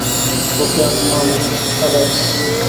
ওকে, ওর নাম অ্যালেক্স!